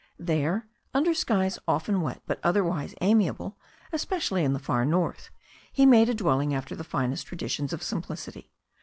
There, under skies often wet, but otherwise amiable, especially in the far north, he made a dwelling after the finest traditions of simplicity.